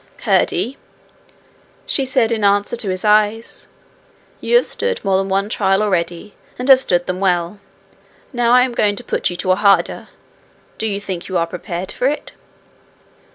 'Curdie,' she said in answer to his eyes, 'you have stood more than one trial already, and have stood them well: now I am going to put you to a harder. Do you think you are prepared for it?'